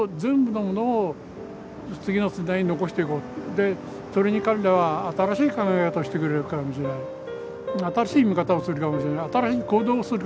でそれに彼らは新しい考え方をしてくれるかもしれない新しい見方をするかもしれない新しい行動をするかもしれない。